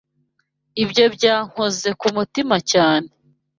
Ibyo byankoze ku mutima cyane.